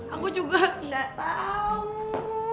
aku juga gak tau